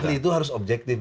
kalau ahli itu harus objektif